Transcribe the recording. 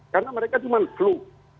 karena mereka cuma flu